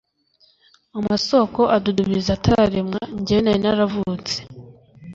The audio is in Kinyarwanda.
amasoko adudubiza atararemwa jyewe nari naravutse